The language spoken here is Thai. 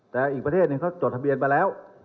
แต่อีกประเทศหนึ่งเขาจดทะเบียนมาแล้ว